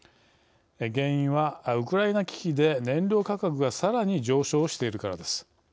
原因は、ウクライナ危機で燃料価格がさらに上昇しているからです。